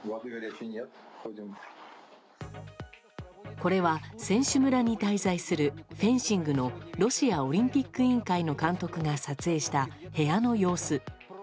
これは、選手村に滞在するフェンシングのロシアオリンピック委員会の監督が撮影した部屋の様子。